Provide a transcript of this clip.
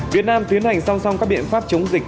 việt nam tiến hành song song các biện pháp chống dịch